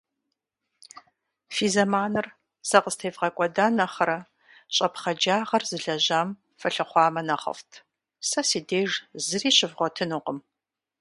Фи зэманыр сэ къыстевгъэкӏуэда нэхърэ, щӏэпхъэджагъэр зылэжьам фылъыхъуамэ нэхъыфӏт. Сэ си деж зыри щывгъуэтынукъым.